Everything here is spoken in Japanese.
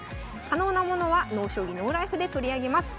可能なものは「ＮＯ将棋ＮＯＬＩＦＥ」で取り上げます。